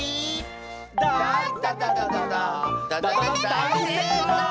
だいせいこう！